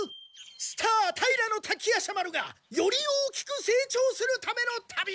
スター平滝夜叉丸がより大きく成長するための旅である！